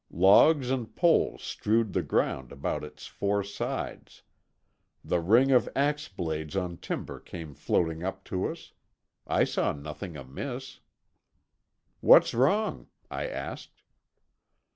Logs and poles strewed the ground about its four sides. The ring of axe blades on timber came floating up to us. I saw nothing amiss. "What's wrong?" I asked.